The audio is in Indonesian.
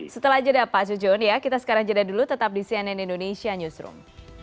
setelah jeda pak sujon ya kita sekarang jeda dulu tetap di cnn indonesia newsroom